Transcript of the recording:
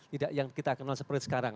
tidak yang kita kenal seperti sekarang